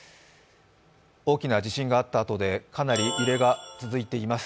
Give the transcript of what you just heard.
大きな地震があったあとでかなり揺れが続いています。